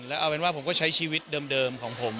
แล้วเอาเป็นว่าผมก็ใช้ชีวิตเดิมของผม